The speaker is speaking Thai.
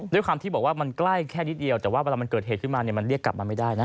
ด้วยความที่บอกว่ามันใกล้แค่นิดเดียวแต่ว่าเวลามันเกิดเหตุขึ้นมาเนี่ยมันเรียกกลับมาไม่ได้นะ